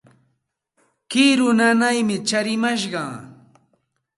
Kiru nanaymi tsarimashqan.